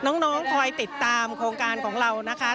น้องคอยติดตามโครงการของเรานะคะ